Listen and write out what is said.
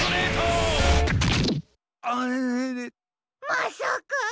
まさか！？